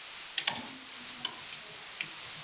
石街道是下辖的一个街道办事处。